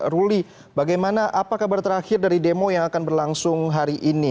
ruli bagaimana apa kabar terakhir dari demo yang akan berlangsung hari ini